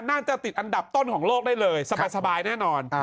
น่าจะติดอันดับต้นของโลกได้เลยสบายแน่นอน